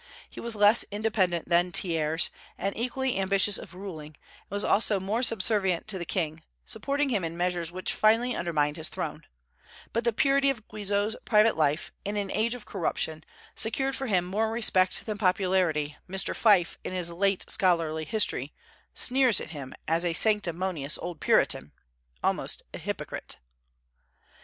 He was less independent than Thiers, and equally ambitious of ruling, and was also more subservient to the king, supporting him in measures which finally undermined his throne; but the purity of Guizot's private life, in an age of corruption, secured for him more respect than popularity, Mr. Fyffe in his late scholarly history sneers at him as a sanctimonious old Puritan, almost a hypocrite.